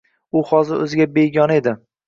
U hozir oʻziga begona edi